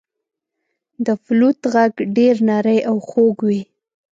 • د فلوت ږغ ډېر نری او خوږ وي.